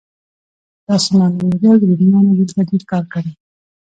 داسې معلومېدل رومیانو دلته ډېر کار کړی.